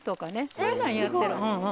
そんなんやってる。